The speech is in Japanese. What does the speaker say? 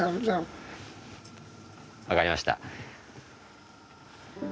分かりました。